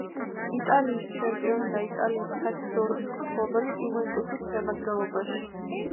იტალიის ჩემპიონი და იტალიის თასის ორგზის მფლობელი „იუვენტუსის“ შემადგენლობაში.